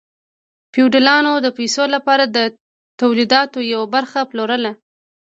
فیوډالانو د پیسو لپاره د تولیداتو یوه برخه پلورله.